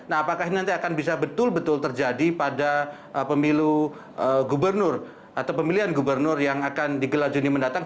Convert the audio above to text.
nah apakah ini nanti akan bisa betul betul terjadi pada pemilihan gubernur yang akan digelajuni mendatang